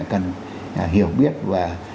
cần hiểu biết và